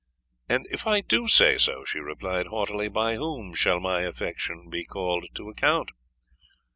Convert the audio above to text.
"And if I do say so," she replied haughtily, "by whom shall my affection be called to account?"